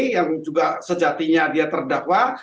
yang juga sejatinya dia terdakwa